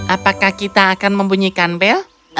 apakah kita akan membunyikan bel